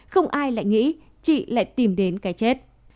không ai lại nghĩ chị lại tìm đến cái chết